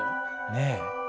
ねえ。